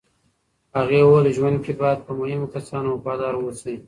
هغې وویل، ژوند کې باید په مهمو کسانو وفادار اوسې.